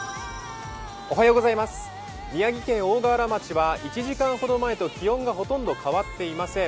宮城県大河原町は１時間ほど前とほとんど気温が変わっていません。